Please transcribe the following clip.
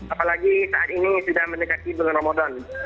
apalagi saat ini sudah mendekati bulan ramadan